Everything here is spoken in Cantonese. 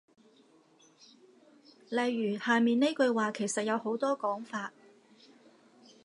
例如下面呢句話其實有好多講法